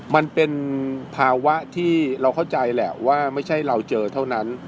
มันเป็นภาวะที่เราเข้าใจแหละว่าไม่ใช่เราเจอเท่านั้น